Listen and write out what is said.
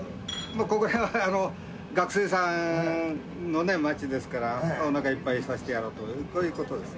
この辺は学生さんのね、街ですから、おなかいっぱいにさせてやろうということですね。